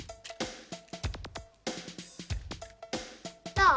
どう？